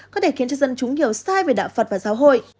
có thể khiến cho dân chúng hiểu sai về đạo phật và giáo hội